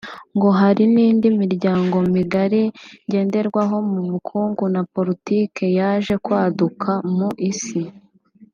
ngo hari n’indi mirongo migari ngenderwaho mu bukungu na politiki yaje kwaduka mu isi